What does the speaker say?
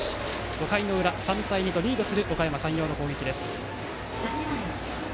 ５回の裏、３対２とリードするおかやま山陽の攻撃です。